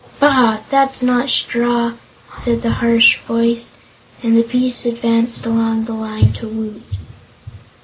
"Bah! that's not straw," said the harsh voice, and the beast advanced along the line to Woot.